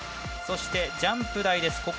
そして、ジャンプ台です。